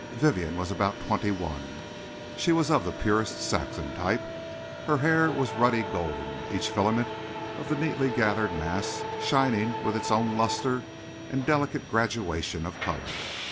Vivienne was about twenty one. She was of the purest Saxon type. Her hair was a ruddy golden, each filament of the neatly gathered mass shining with its own lustre and delicate graduation of colour.